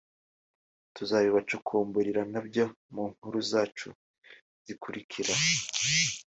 tuzabibacukumburira nabyo mu nkuru zacu zizakurikira